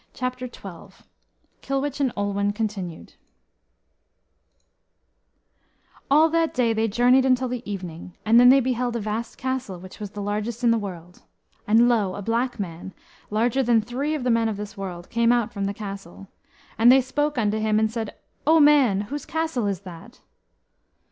CHAPTER XII KILWICH AND OLWEN (Continued) All that day they journeyed until the evening, and then they beheld a vast castle, which was the largest in the world. And lo! a black man, larger than three of the men of this world, came out from the castle. And they spoke unto him, and said, "O man, whose castle is that?"